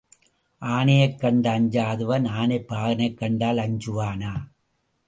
ஆனையைக் கண்டு அஞ்சாதவன் ஆனைப் பாகனைக் கண்டால் அஞ்சுவானா?